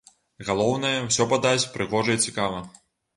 Галоўнае, усё падаць прыгожа і цікава.